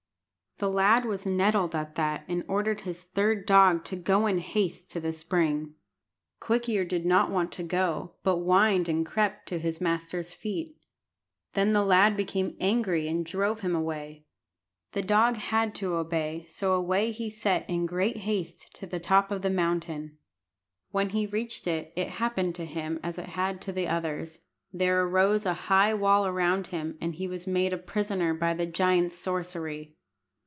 The lad was nettled at that, and ordered his third dog to go in haste to the spring. Quick ear did not want to go, but whined and crept to his master's feet. Then the lad became angry, and drove him away. The dog had to obey, so away he set in great haste to the top of the mountain. When he reached it, it happened to him as it had to the others. There arose a high wall around him, and he was made a prisoner by the giant's sorcery.